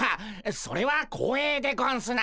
それは光栄でゴンスな。